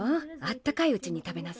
あったかいうちに食べなさい。